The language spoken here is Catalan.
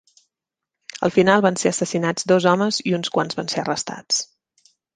Al final van ser assassinats dos homes i uns quants van ser arrestats.